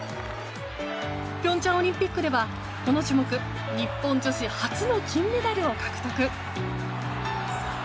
平昌オリンピックではこの種目日本女子初の金メダルを獲得。